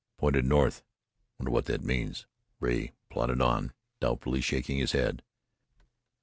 "Pointed north! Wonder what thet means?" Rea plodded on, doubtfully shaking his head.